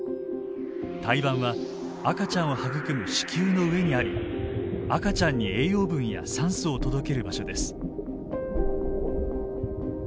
胎盤は赤ちゃんを育む子宮の上にあり赤ちゃんに栄養分や酸素を届ける場所です。